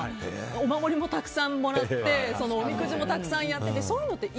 お守りもたくさんもらっておみくじもたくさんやってと。